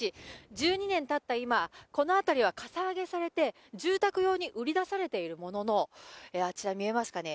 １２年たった今、このあたりはかさ上げされて、住宅用に売り出されているものの、あちら見えますかね？